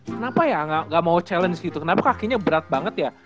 kenapa ya nggak mau challenge gitu kenapa kakinya berat banget ya